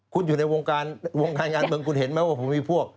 คุณอยู่ในวงการวงการงานเมืองคุณเห็นไหมว่าผมมีพวก